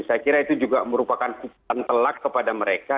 saya kira itu juga merupakan hutan telak kepada mereka